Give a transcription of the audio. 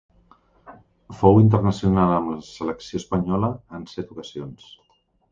Fou internacional amb la selecció espanyola en set ocasions.